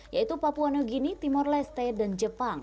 yaitu papua new guine timor leste dan jepang